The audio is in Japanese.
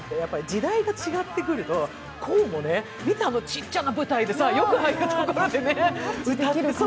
時代が違ってくると、こうもね、見て、あのちっちゃな舞台で、よくああいうところでね、歌って。